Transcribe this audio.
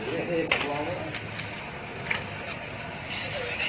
ถ้าไม่ได้ขออนุญาตมันคือจะมีโทษ